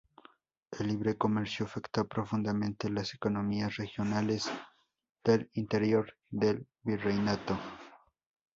El libre comercio afecto profundamente las economías regionales del interior del virreinato.